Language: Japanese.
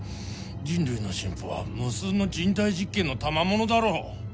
人類の進歩は無数の人体実験のたまものだろう？